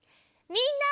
みんな。